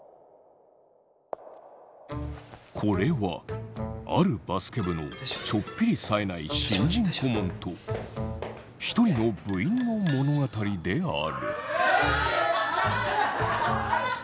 これはあるバスケ部のちょっぴりさえない新人顧問と一人の部員の物語である。